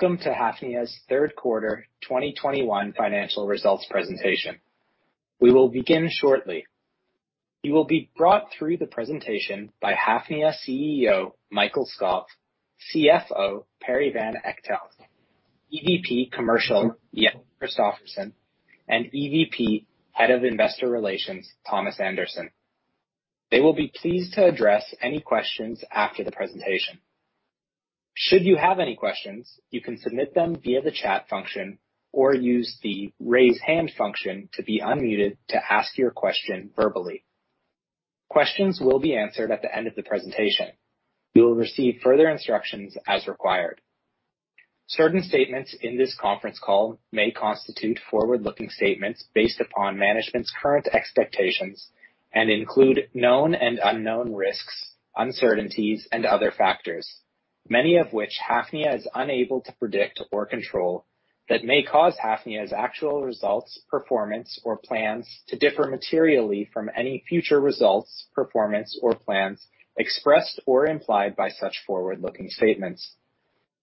Welcome to Hafnia's Q3 2021 financial results presentation. We will begin shortly. You will be brought through the presentation by Hafnia CEO Mikael Skov, CFO Perry van Echtelt, EVP, Head of Commercial Jens Christophersen, and EVP, Head of Investor Relations Thomas Andersen. They will be pleased to address any questions after the presentation. Should you have any questions, you can submit them via the chat function or use the raise hand function to be unmuted to ask your question verbally. Questions will be answered at the end of the presentation. You will receive further instructions as required. Certain statements in this conference call may constitute forward-looking statements based upon management's current expectations and include known and unknown risks, uncertainties and other factors, many of which Hafnia is unable to predict or control, that may cause Hafnia's actual results, performance or plans to differ materially from any future results, performance or plans expressed or implied by such forward-looking statements.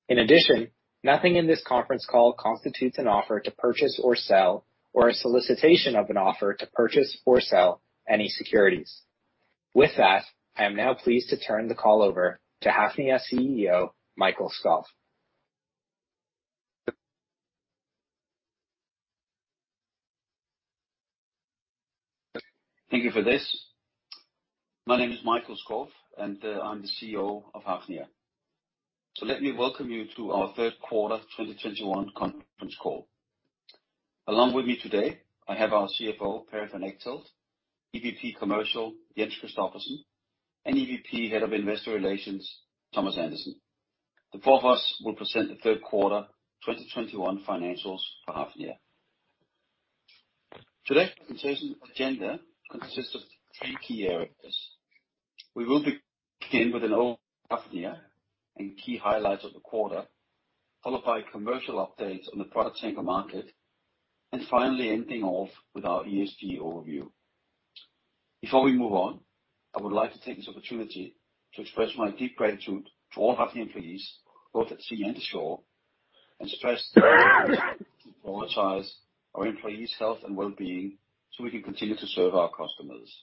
In addition, nothing in this conference call constitutes an offer to purchase or sell, or a solicitation of an offer to purchase or sell any securities. With that, I am now pleased to turn the call over to Hafnia CEO Mikael Skov. Thank you for this. My name is Mikael Skov, and I'm the CEO of Hafnia. Let me welcome you to our Q3 2021 conference call. Along with me today, I have our CFO Perry van Echtelt, EVP Commercial Jens Christophersen, and EVP Head of Investor Relations Thomas Andersen. The four of us will present the Q3 2021 financials for Hafnia. Today's presentation agenda consists of three key areas. We will begin with an overview of Hafnia and key highlights of the quarter, followed by commercial updates on the product tanker market, and finally ending off with our ESG overview. Before we move on, I would like to take this opportunity to express my deep gratitude to all Hafnia employees, both at sea and ashore, and stress to prioritize our employees' health and wellbeing so we can continue to serve our customers.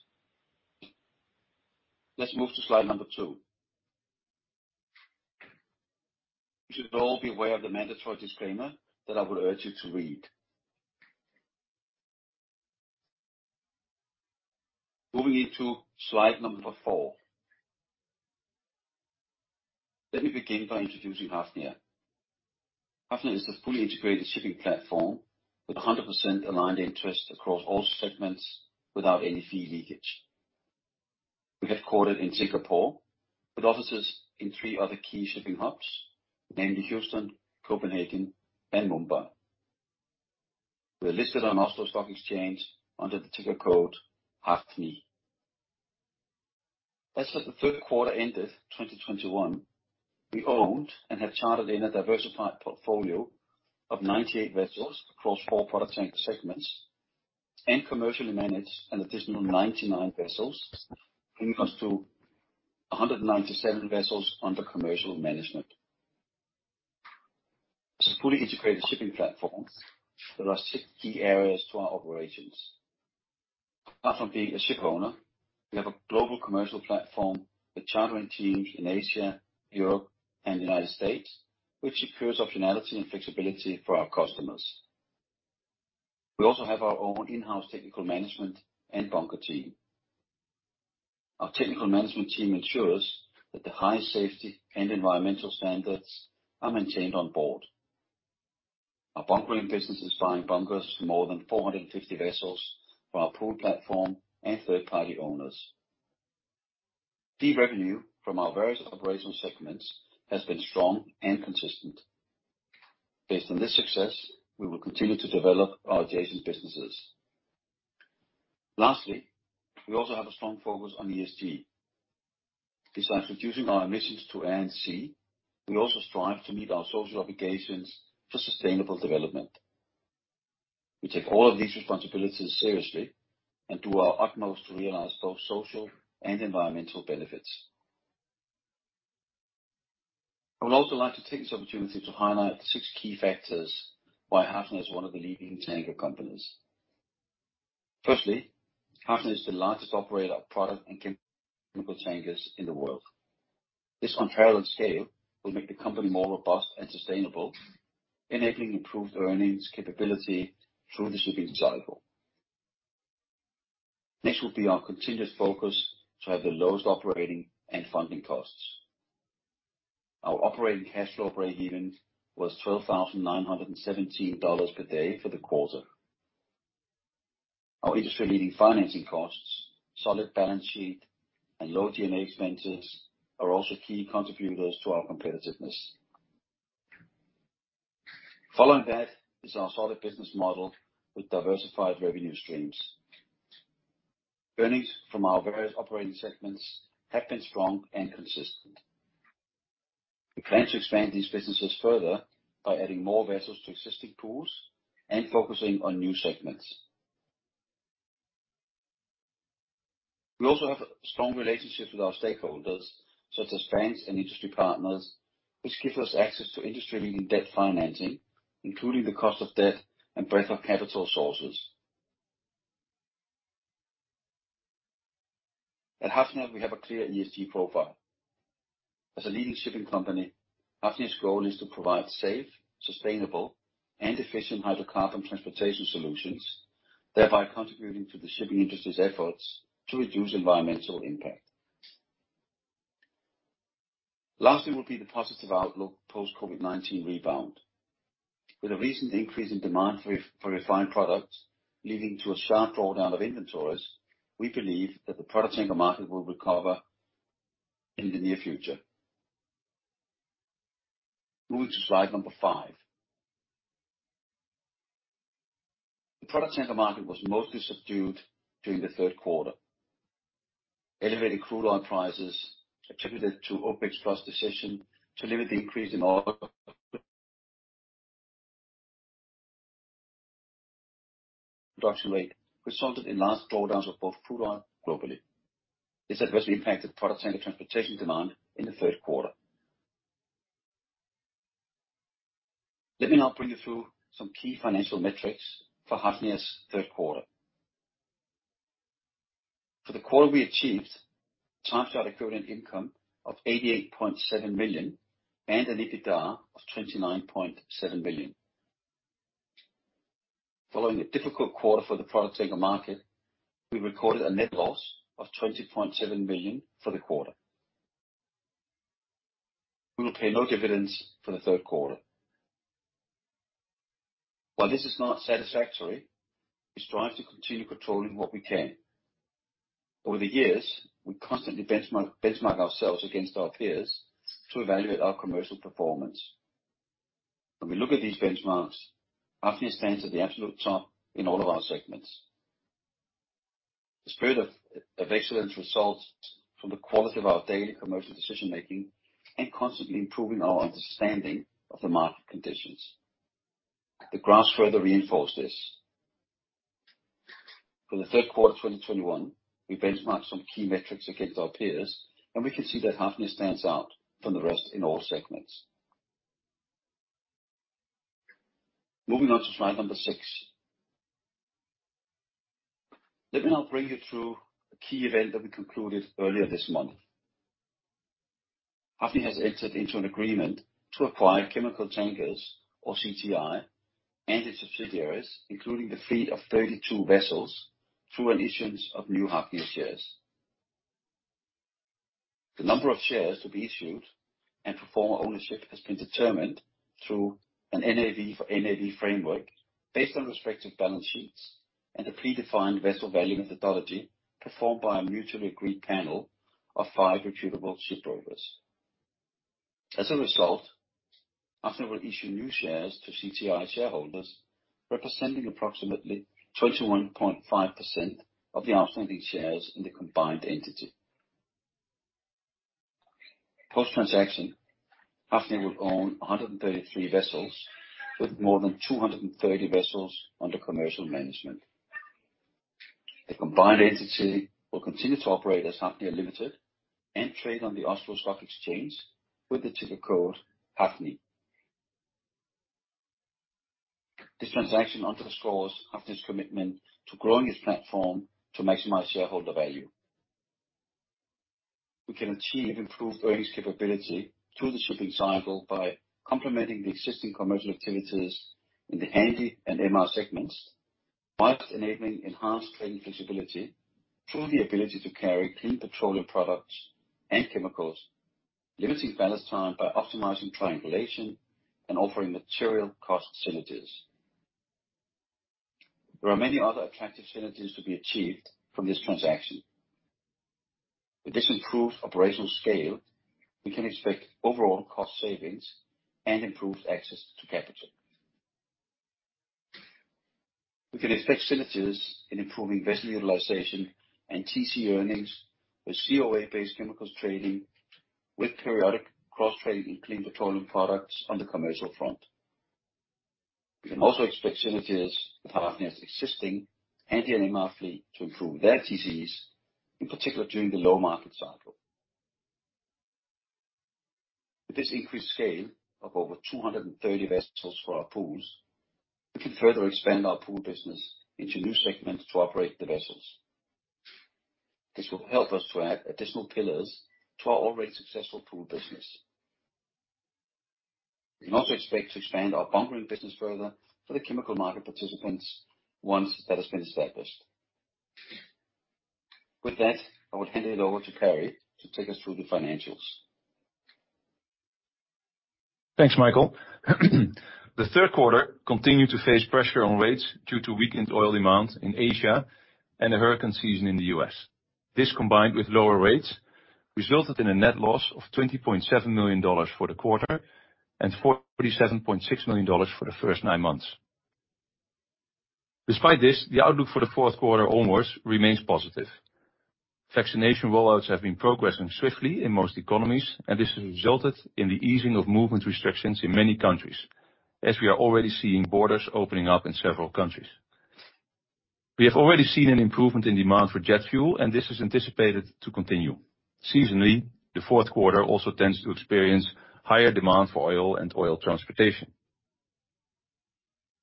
Let's move to slide two. You should all be aware of the mandatory disclaimer that I would urge you to read. Moving into slide four. Let me begin by introducing Hafnia. Hafnia is a fully integrated shipping platform with 100% aligned interest across all segments without any fee leakage. We are headquartered in Singapore with offices in three other key shipping hubs, namely Houston, Copenhagen and Mumbai. We're listed on Oslo Stock Exchange under the ticker code HAFNI. As of the Q3 ended 2021, we owned and have chartered in a diversified portfolio of 98 vessels across four product tanker segments and commercially manage an additional 99 vessels, bringing us to 197 vessels under commercial management. As a fully integrated shipping platform, there are six key areas to our operations. Apart from being a shipowner, we have a global commercial platform with chartering teams in Asia, Europe and the United States, which secures optionality and flexibility for our customers. We also have our own in-house technical management and bunker team. Our technical management team ensures that the high safety and environmental standards are maintained on board. Our bunkering business is buying bunkers for more than 450 vessels from our pool platform and third-party owners. Key revenue from our various operational segments has been strong and consistent. Based on this success, we will continue to develop our adjacent businesses. Lastly, we also have a strong focus on ESG. Besides reducing our emissions to ANC, we also strive to meet our social obligations for sustainable development. We take all of these responsibilities seriously and do our utmost to realize both social and environmental benefits. I would also like to take this opportunity to highlight six key factors why Hafnia is one of the leading tanker companies. Firstly, Hafnia is the largest operator of product and chemical tankers in the world. This unparalleled scale will make the company more robust and sustainable, enabling improved earnings capability through the shipping cycle. Next would be our continuous focus to have the lowest operating and funding costs. Our operating cash flow breakeven was $12,917 per day for the quarter. Our industry-leading financing costs, solid balance sheet, and low G&A expenses are also key contributors to our competitiveness. Following that is our solid business model with diversified revenue streams. Earnings from our various operating segments have been strong and consistent. We plan to expand these businesses further by adding more vessels to existing pools and focusing on new segments. We also have strong relationships with our stakeholders, such as banks and industry partners, which give us access to industry-leading debt financing, including the cost of debt and breadth of capital sources. At Hafnia, we have a clear ESG profile. As a leading shipping company, Hafnia's goal is to provide safe, sustainable, and efficient hydrocarbon transportation solutions, thereby contributing to the shipping industry's efforts to reduce environmental impact. Lastly will be the positive outlook post COVID-19 rebound. With a recent increase in demand for refined products leading to a sharp drawdown of inventories, we believe that the product tanker market will recover in the near future. Moving to slide five. The product tanker market was mostly subdued during the Q3. Elevated crude oil prices attributed to OPEC+ decision to limit the increase in oil production rate resulted in large drawdowns of both crude oil globally. This adversely impacted product tanker transportation demand in the Q3. Let me now bring you through some key financial metrics for Hafnia's third quarter. For the quarter we achieved time charter equivalent income of $88.7 million, and an EBITDA of $29.7 million. Following a difficult quarter for the product tanker market, we recorded a net loss of $20.7 million for the quarter. We will pay no dividends for the third quarter. While this is not satisfactory, we strive to continue controlling what we can. Over the years, we constantly benchmark ourselves against our peers to evaluate our commercial performance. When we look at these benchmarks, Hafnia stands at the absolute top in all of our segments. The spirit of excellent results from the quality of our daily commercial decision-making and constantly improving our understanding of the market conditions. The graphs further reinforce this. For the third quarter of 2021, we benchmarked some key metrics against our peers, and we can see that Hafnia stands out from the rest in all segments. Moving on to slide number 6. Let me now bring you through a key event that we concluded earlier this month. Hafnia has entered into an agreement to acquire Chemical Tankers, or CTI, and its subsidiaries, including the fleet of 32 vessels, through an issuance of new Hafnia shares. The number of shares to be issued and to form ownership has been determined through an NAV for NAV framework based on respective balance sheets and a predefined vessel value methodology performed by a mutually agreed panel of five reputable shipbrokers. As a result, Hafnia will issue new shares to CTI shareholders, representing approximately 21.5% of the outstanding shares in the combined entity. Post-transaction, Hafnia will own 133 vessels with more than 230 vessels under commercial management. The combined entity will continue to operate as Hafnia Limited and trade on the Oslo Stock Exchange with the ticker code Hafnia. This transaction underscores Hafnia's commitment to growing its platform to maximize shareholder value. We can achieve improved earnings capability through the shipping cycle by complementing the existing commercial activities in the Handy and MR segments, while enabling enhanced trading flexibility through the ability to carry clean petroleum products and chemicals, limiting ballast time by optimizing triangulation, and offering material cost synergies. There are many other attractive synergies to be achieved from this transaction. With this improved operational scale, we can expect overall cost savings and improved access to capital. We can expect synergies in improving vessel utilization and TC earnings with COA-based chemicals trading, with periodic cross-trading in clean petroleum products on the commercial front. We can also expect synergies with Hafnia's existing MR fleet to improve their TC's, in particular during the low market cycle. With this increased scale of over 230 vessels for our pools, we can further expand our pool business into new segments to operate the vessels. This will help us to add additional pillars to our already successful pool business. We can also expect to expand our bunkering business further for the chemical market participants once that has been established. With that, I will hand it over to Perry van Echtelt to take us through the financials. Thanks, Mikael. The third quarter continued to face pressure on rates due to weakened oil demand in Asia and the hurricane season in the U.S. This, combined with lower rates, resulted in a net loss of $20.7 million for the quarter and $47.6 million for the first nine months. Despite this, the outlook for the Q4 onwards remains positive. Vaccination rollouts have been progressing swiftly in most economies, and this has resulted in the easing of movement restrictions in many countries. As we are already seeing borders opening up in several countries. We have already seen an improvement in demand for jet fuel, and this is anticipated to continue. Seasonally, the Q4 also tends to experience higher demand for oil and oil transportation.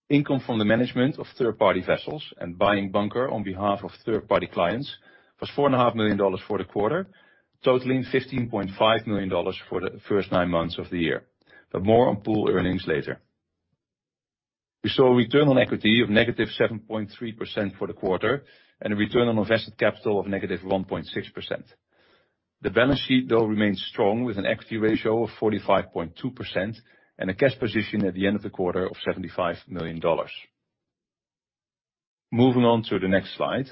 Income from the management of third-party vessels and buying bunker on behalf of third party clients was $4.5 million for the quarter, totaling $15.5 million for the first nine months of the year, but more on pool earnings later. We saw a return on equity of -7.3% for the quarter, and a return on invested capital of -1.6%. The balance sheet though remains strong with an equity ratio of 45.2% and a cash position at the end of the quarter of $75 million. Moving on to the next slide.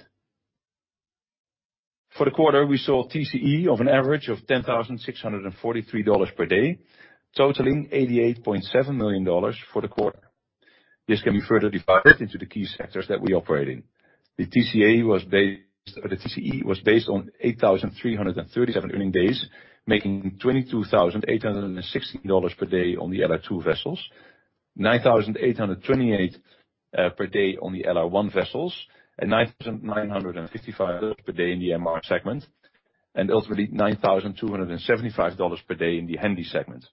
For the quarter, we saw TCE of an average of $10,643 per day, totaling $88.7 million for the quarter. This can be further divided into the key sectors that we operate in. The TCE was based on 8,337 earning days, making $22,816 per day on the LR2 vessels, 9,828 per day on the LR1 vessels, and $9,955 per day in the MR segment, and ultimately $9,275 per day in the Handysize segment.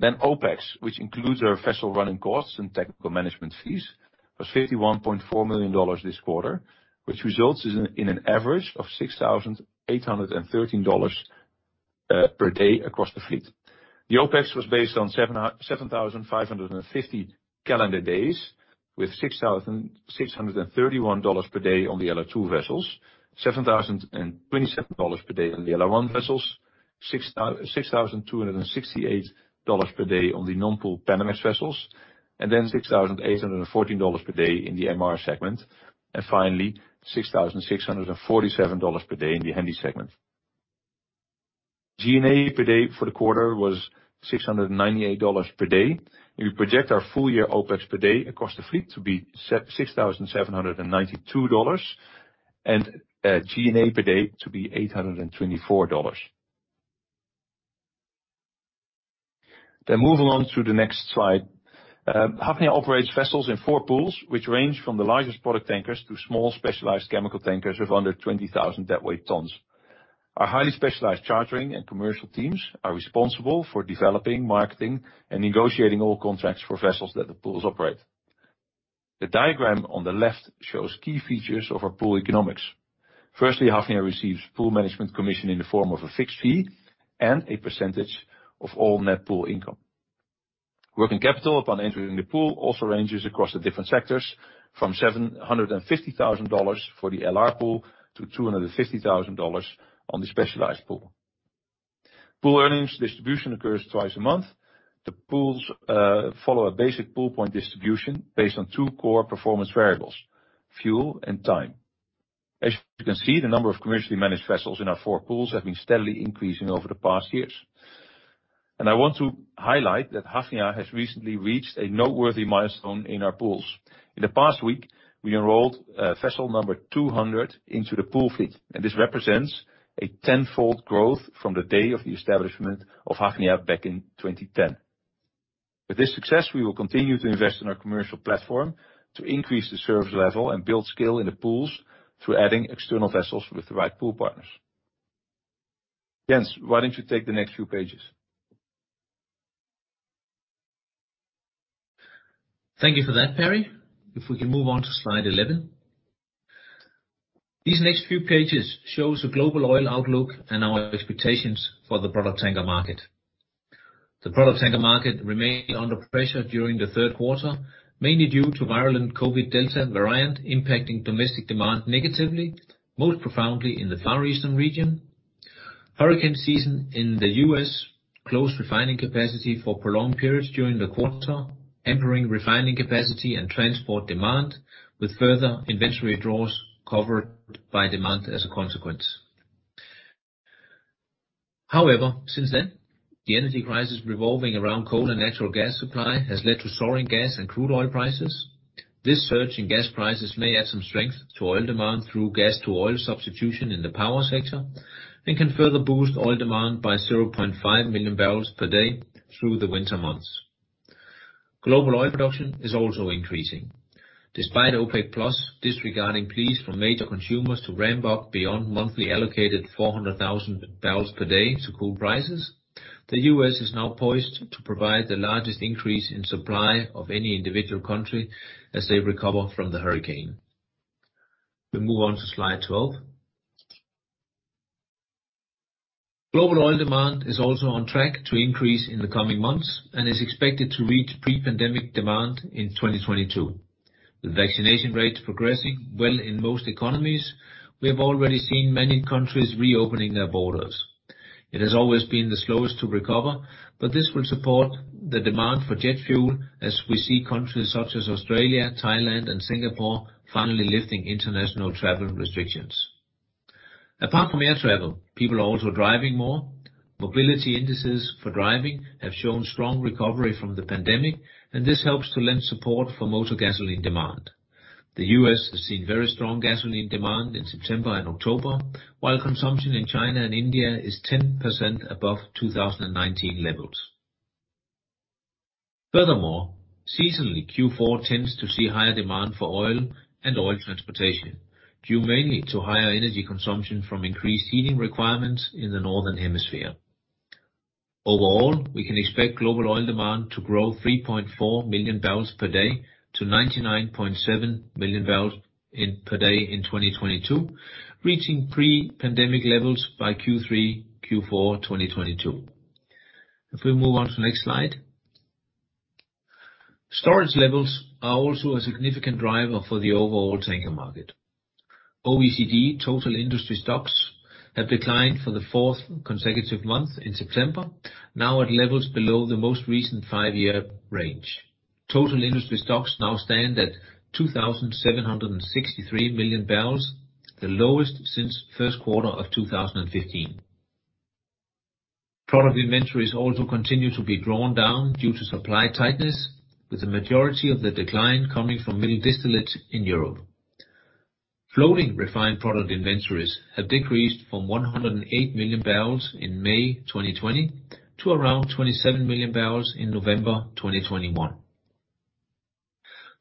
OpEx, which includes our vessel running costs and technical management fees, was $51.4 million this quarter, which results in an average of $6,813 per day across the fleet. The OpEx was based on 7,550 calendar days with $6,631 per day on the LR2 vessels, $7,027 per day on the LR1 vessels, $6,268 per day on the non-pool Panamax vessels, and then $6,814 per day in the MR segment, and finally $6,647 per day in the Handysize segment. G&A per day for the quarter was $698 per day. We project our full year OpEx per day across the fleet to be $6,792 and G&A per day to be $824. Moving on to the next slide. Hafnia operates vessels in four pools, which range from the largest product tankers to small specialized chemical tankers of under 20,000 deadweight tons. Our highly specialized chartering and commercial teams are responsible for developing, marketing, and negotiating all contracts for vessels that the pools operate. The diagram on the left shows key features of our pool economics. Firstly, Hafnia receives pool management commission in the form of a fixed fee and a percentage of all net pool income. Working capital upon entering the pool also ranges across the different sectors from $750,000 for the LR pool to $250,000 on the specialized pool. Pool earnings distribution occurs twice a month. The pools follow a basic pool point distribution based on two core performance variables, fuel and time. As you can see, the number of commercially managed vessels in our four pools have been steadily increasing over the past years. I want to highlight that Hafnia has recently reached a noteworthy milestone in our pools. In the past week, we enrolled vessel number 200 into the pool fleet, and this represents a tenfold growth from the day of the establishment of Hafnia back in 2010. With this success, we will continue to invest in our commercial platform to increase the service level and build scale in the pools through adding external vessels with the right pool partners. Jens, why don't you take the next few pages? Thank you for that, Perry. If we can move on to slide 11. These next few pages shows the global oil outlook and our expectations for the product tanker market. The product tanker market remained under pressure during the third quarter, mainly due to virulent COVID Delta variant impacting domestic demand negatively, most profoundly in the Far Eastern region. Hurricane season in the U.S. closed refining capacity for prolonged periods during the quarter, hampering refining capacity and transport demand, with further inventory draws covered by demand as a consequence. However, since then, the energy crisis revolving around coal and natural gas supply has led to soaring gas and crude oil prices. This surge in gas prices may add some strength to oil demand through gas to oil substitution in the power sector and can further boost oil demand by 0.5 million barrels per day through the winter months. Global oil production is also increasing. Despite OPEC+ disregarding pleas from major consumers to ramp up beyond monthly allocated 400,000 barrels per day to cool prices, the U.S. is now poised to provide the largest increase in supply of any individual country as they recover from the hurricane. We move on to slide 12. Global oil demand is also on track to increase in the coming months and is expected to reach pre-pandemic demand in 2022. With vaccination rates progressing well in most economies, we have already seen many countries reopening their borders. It has always been the slowest to recover, but this will support the demand for jet fuel as we see countries such as Australia, Thailand, and Singapore finally lifting international travel restrictions. Apart from air travel, people are also driving more. Mobility indices for driving have shown strong recovery from the pandemic, and this helps to lend support for motor gasoline demand. The U.S. has seen very strong gasoline demand in September and October, while consumption in China and India is 10% above 2019 levels. Furthermore, seasonally Q4 tends to see higher demand for oil and oil transportation, due mainly to higher energy consumption from increased heating requirements in the northern hemisphere. Overall, we can expect global oil demand to grow 3.4 million barrels per day to 99.7 million barrels per day in 2022, reaching pre-pandemic levels by Q3, Q4 2022. If we move on to the next slide. Storage levels are also a significant driver for the overall tanker market. OECD total industry stocks have declined for the fourth consecutive month in September, now at levels below the most recent five-year range. Total industry stocks now stand at 2,763 million barrels, the lowest since Q1 of 2015. Product inventories also continue to be drawn down due to supply tightness, with the majority of the decline coming from middle distillate in Europe. Floating refined product inventories have decreased from 108 million barrels in May 2020 to around 27 million barrels in November 2021.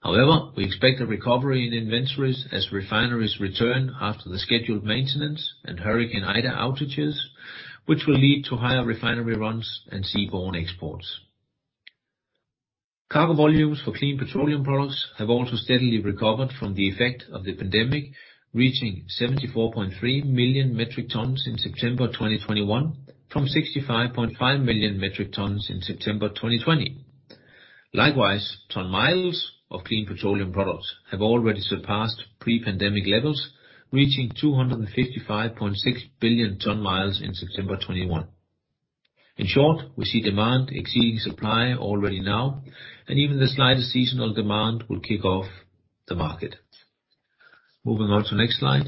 However, we expect a recovery in inventories as refineries return after the scheduled maintenance and Hurricane Ida outages, which will lead to higher refinery runs and seaborne exports. Cargo volumes for clean petroleum products have also steadily recovered from the effect of the pandemic, reaching 74.3 million metric tons in September 2021 from 65.5 million metric tons in September 2020. Likewise, ton miles of clean petroleum products have already surpassed pre-pandemic levels, reaching 255.6 billion ton miles in September 2021. In short, we see demand exceeding supply already now, and even the slightest seasonal demand will kick off the market. Moving on to next slide.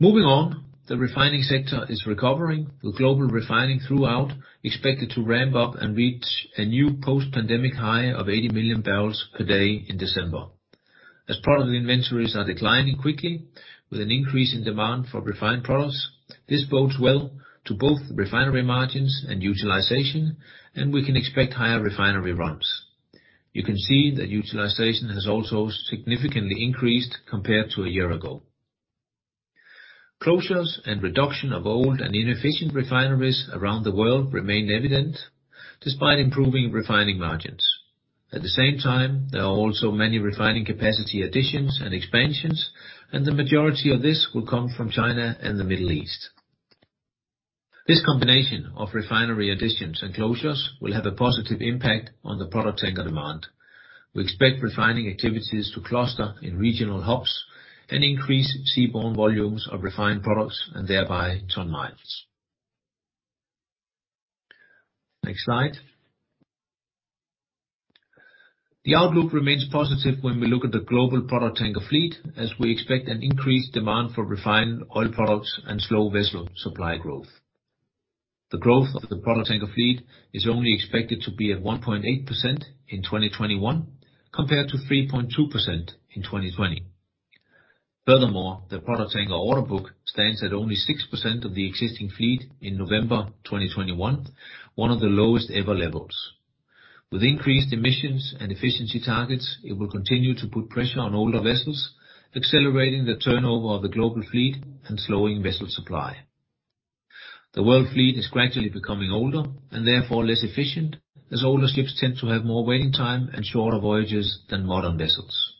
Moving on, the refining sector is recovering, with global refining throughput expected to ramp up and reach a new post-pandemic high of 80 million barrels per day in December. As product inventories are declining quickly with an increase in demand for refined products, this bodes well to both refinery margins and utilization, and we can expect higher refinery runs. You can see that utilization has also significantly increased compared to a year ago. Closures and reduction of old and inefficient refineries around the world remain evident despite improving refining margins. At the same time, there are also many refining capacity additions and expansions, and the majority of this will come from China and the Middle East. This combination of refinery additions and closures will have a positive impact on the product tanker demand. We expect refining activities to cluster in regional hubs and increase seaborne volumes of refined products and thereby ton-miles. Next slide. The outlook remains positive when we look at the global product tanker fleet, as we expect an increased demand for refined oil products and slow vessel supply growth. The growth of the product tanker fleet is only expected to be at 1.8% in 2021 compared to 3.2% in 2020. Furthermore, the product tanker order book stands at only 6% of the existing fleet in November 2021, one of the lowest ever levels. With increased emissions and efficiency targets, it will continue to put pressure on older vessels, accelerating the turnover of the global fleet and slowing vessel supply. The world fleet is gradually becoming older and therefore less efficient, as older ships tend to have more waiting time and shorter voyages than modern vessels.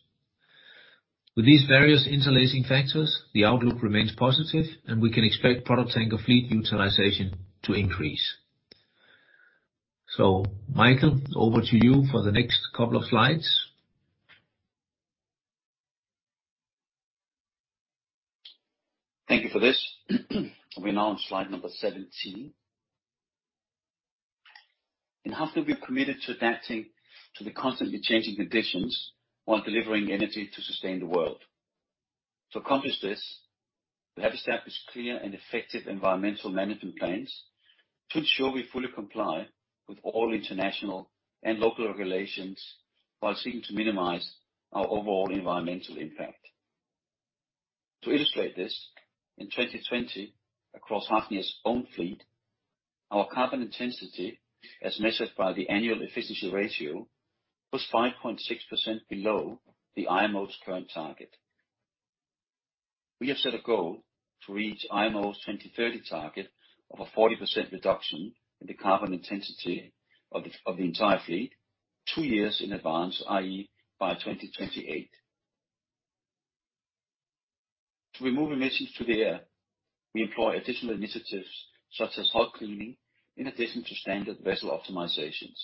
With these various interlacing factors, the outlook remains positive, and we can expect product tanker fleet utilization to increase. Mikael, over to you for the next couple of slides. Thank you for this. We're now on slide number 17. In Hafnia, we're committed to adapting to the constantly changing conditions while delivering energy to sustain the world. To accomplish this, we have established clear and effective environmental management plans to ensure we fully comply with all international and local regulations while seeking to minimize our overall environmental impact. To illustrate this, in 2020, across Hafnia's own fleet, our carbon intensity, as measured by the annual efficiency ratio, was 5.6% below the IMO's current target. We have set a goal to reach IMO's 2030 target of a 40% reduction in the carbon intensity of the entire fleet two years in advance, i.e., by 2028. To remove emissions to the air, we employ additional initiatives such as hot cleaning in addition to standard vessel optimizations.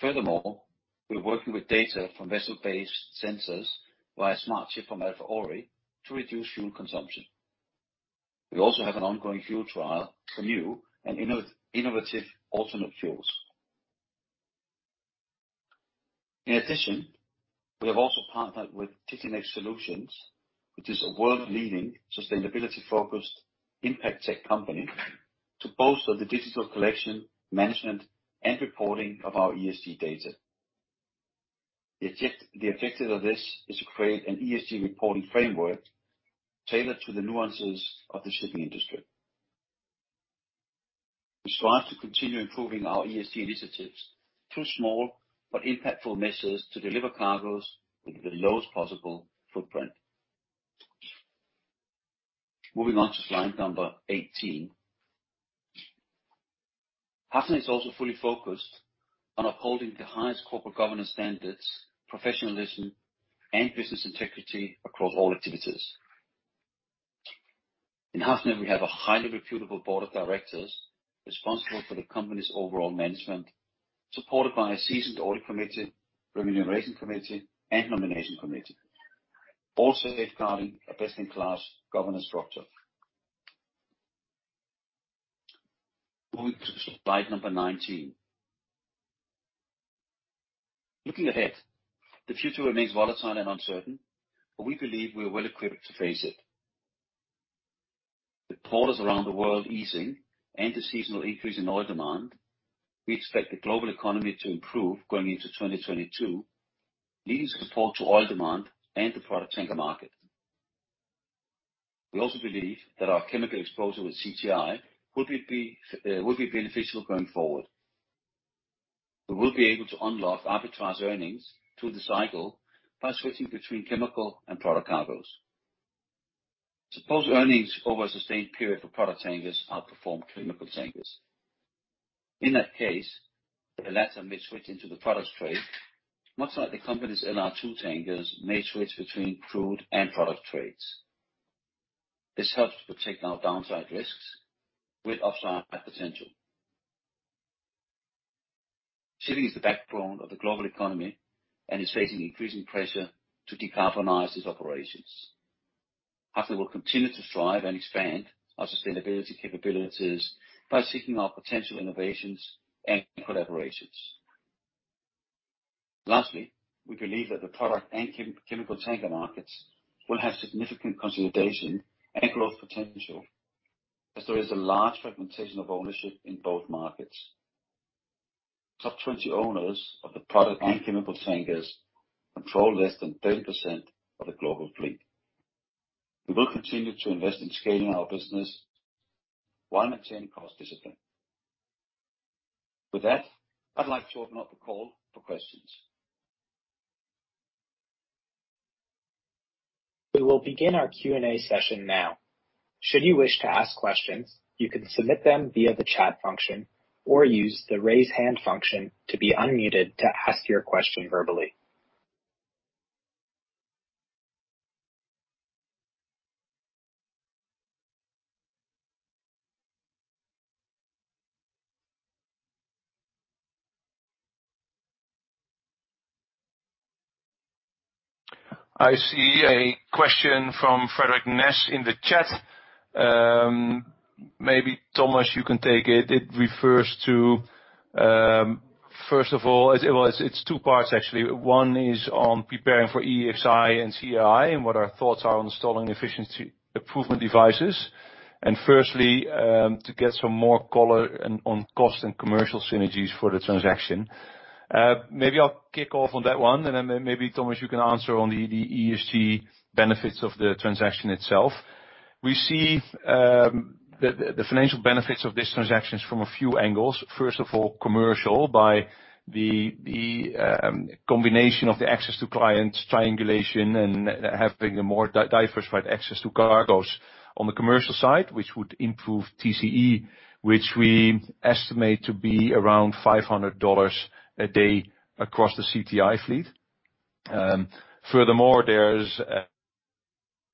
Furthermore, we're working with data from vessel-based sensors via Smart Ship from Alfa Laval to reduce fuel consumption. We also have an ongoing fuel trial for new and innovative alternate fuels. In addition, we have also partnered with Titian&Net Solutions, which is a world-leading, sustainability-focused impact tech company, to bolster the digital collection, management, and reporting of our ESG data. The objective of this is to create an ESG reporting framework tailored to the nuances of the shipping industry. We strive to continue improving our ESG initiatives through small but impactful measures to deliver cargoes with the lowest possible footprint. Moving on to slide number 18. Hafnia is also fully focused on upholding the highest corporate governance standards, professionalism, and business integrity across all activities. In Hafnia, we have a highly reputable board of directors responsible for the company's overall management, supported by a seasoned audit committee, remuneration committee, and nomination committee, all safeguarding a best-in-class governance structure. Moving to slide number 19. Looking ahead, the future remains volatile and uncertain, but we believe we are well-equipped to face it. With borders around the world easing and the seasonal increase in oil demand, we expect the global economy to improve going into 2022, leading support to oil demand and the product tanker market. We also believe that our chemical exposure with CTI will be beneficial going forward. We will be able to unlock arbitraged earnings through the cycle by switching between chemical and product cargoes. Suppose earnings over a sustained period for product tankers outperform chemical tankers. In that case, the latter may switch into the products trade, much like the company's LR2 tankers may switch between crude and product trades. This helps to protect our downside risks with upside potential. Shipping is the backbone of the global economy and is facing increasing pressure to decarbonize its operations. Hafnia will continue to strive and expand our sustainability capabilities by seeking out potential innovations and collaborations. Lastly, we believe that the product and chemical tanker markets will have significant consolidation and growth potential, as there is a large fragmentation of ownership in both markets. Top 20 owners of the product and chemical tankers control less than 30% of the global fleet. We will continue to invest in scaling our business while maintaining cost discipline. With that, I'd like to open up the call for questions. We will begin our Q&A session now. Should you wish to ask questions, you can submit them via the chat function or use the Raise Hand function to be unmuted to ask your question verbally. I see a question from Frode Mørkedal in the chat. Maybe Thomas, you can take it. It refers to, first of all, it's two parts actually. One is on preparing for EEXI and CII and what our thoughts are on installing efficiency improvement devices. First, to get some more color on cost and commercial synergies for the transaction. Maybe I'll kick off on that one, and then maybe Thomas, you can answer on the ESG benefits of the transaction itself. We see the financial benefits of this transaction is from a few angles. First of all, commercially, by the combination of the access to clients, triangulation, and having a more diversified access to cargoes on the commercial side, which would improve TCE, which we estimate to be around $500 a day across the CTI fleet. Furthermore, there's a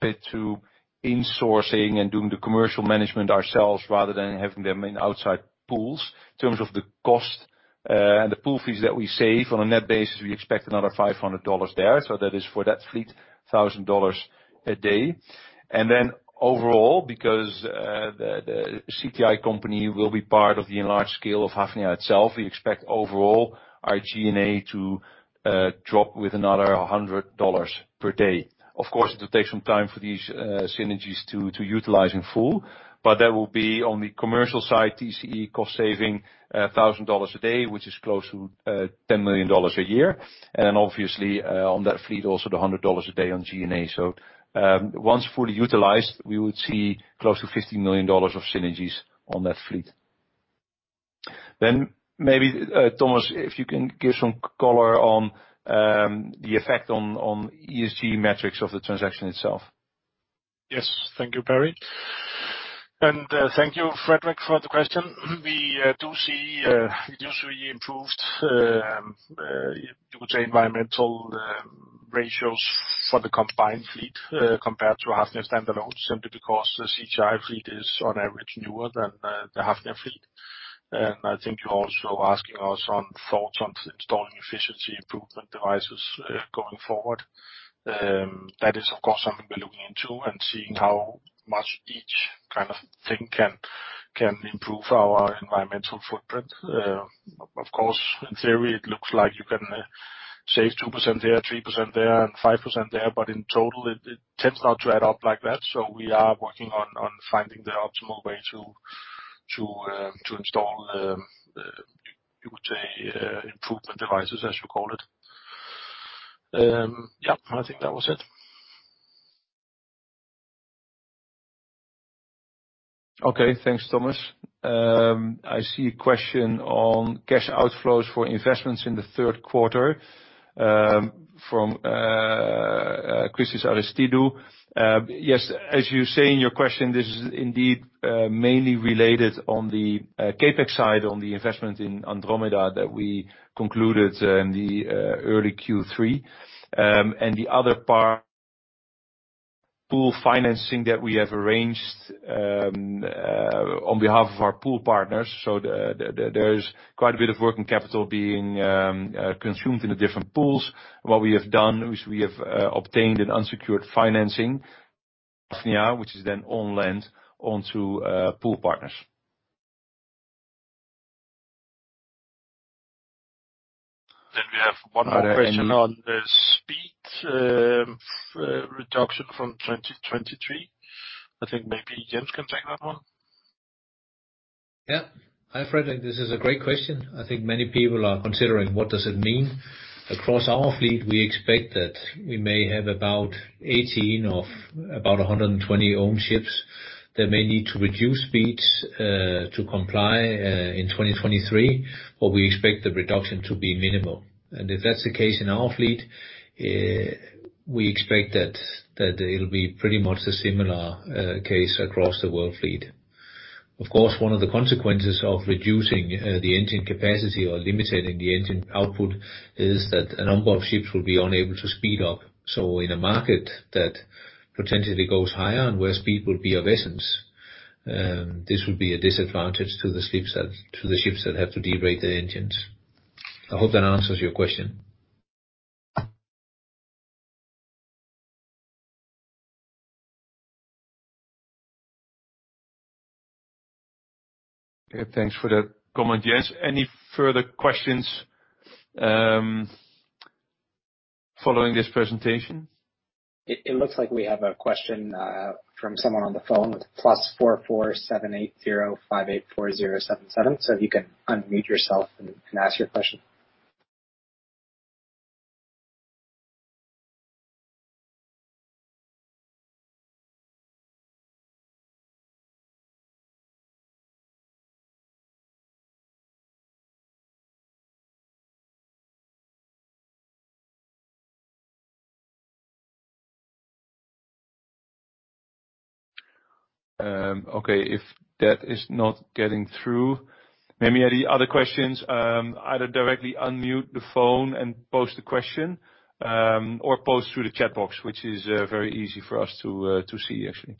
benefit to insourcing and doing the commercial management ourselves rather than having them in outside pools. In terms of the cost and the pool fees that we save on a net basis, we expect another $500 there. That is for that fleet, $1,000 a day. Overall, because the CTI company will be part of the enlarged scale of Hafnia itself, we expect overall our G&A to drop by another $100 per day. Of course, it'll take some time for these synergies to utilize in full, but that will be on the commercial side, TCE cost saving $1,000 a day, which is close to $10 million a year. Obviously, on that fleet, also the $100 a day on G&A. Once fully utilized, we would see close to $50 million of synergies on that fleet. Maybe Thomas, if you can give some color on the effect on ESG metrics of the transaction itself. Yes. Thank you, Perry. Thank you, Frode Mørkedal, for the question. We do see usually improved, you could say environmental ratios for the combined fleet compared to Hafnia standalone, simply because the CTI fleet is on average newer than the Hafnia fleet. I think you're also asking us our thoughts on installing efficiency improvement devices going forward. That is of course something we're looking into and seeing how much each kind of thing can improve our environmental footprint. Of course, in theory it looks like you can save 2% there, 3% there, and 5% there, but in total, it tends not to add up like that. We are working on finding the optimal way to To install, you would say, improvement devices as you call it. Yeah, I think that was it. Okay. Thanks, Thomas. I see a question on cash outflows for investments in the third quarter from Chris Aristidou. Yes, as you say in your question, this is indeed mainly related on the CapEx side, on the investment in Andromeda that we concluded in the early Q3. And the other part, pool financing that we have arranged on behalf of our pool partners. There's quite a bit of working capital being consumed in the different pools. What we have done is we have obtained an unsecured financing, which is then on lent onto pool partners. We have one more question on the speed reduction from 2023. I think maybe Jens can take that one. Yeah. Hi, Frode Mørkedal, this is a great question. I think many people are considering what does it mean. Across our fleet, we expect that we may have about 18 of about 120 own ships that may need to reduce speeds to comply in 2023, but we expect the reduction to be minimal. If that's the case in our fleet, we expect that it'll be pretty much a similar case across the world fleet. Of course, one of the consequences of reducing the engine capacity or limiting the engine output is that a number of ships will be unable to speed up. In a market that potentially goes higher and where speed will be of the essence, this will be a disadvantage to the ships that have to derate their engines. I hope that answers your question. Okay, thanks for the comment, Jens. Any further questions, following this presentation? It looks like we have a question from someone on the phone with +44780584077. If you can unmute yourself and ask your question. Okay. If that is not getting through, maybe any other questions, either directly unmute the phone and post the question, or post through the chat box, which is very easy for us to see, actually.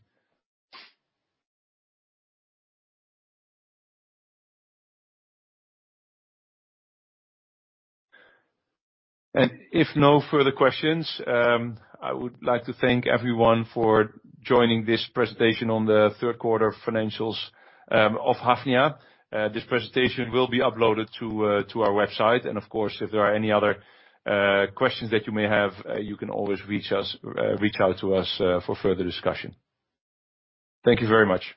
If no further questions, I would like to thank everyone for joining this presentation on the third quarter financials of Hafnia. This presentation will be uploaded to our website. Of course, if there are any other questions that you may have, you can always reach us, reach out to us for further discussion. Thank you very much.